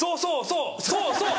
そうそうそう！